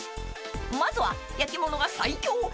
［まずは焼き物が最強！